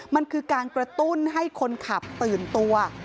มันคือการกระตุ้นให้คนขับตื่นตัว